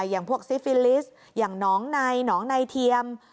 อย่างพวกซิฟิลิสอย่างน้องนายน้องนายเทียม